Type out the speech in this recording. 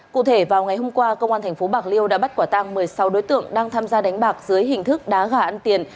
cụ thể vào ngày hôm qua cơ quan thành phố bạc liêu đã bắt quả tăng một mươi sáu đối tượng đang tham gia đánh bạc dưới hình thức đá gà ăn tiền